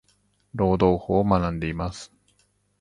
労働法を学んでいます。。